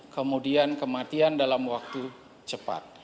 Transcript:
kemudian kematian dalam waktu cepat